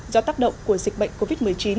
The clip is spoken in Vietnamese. do tác động của dịch bệnh covid một mươi chín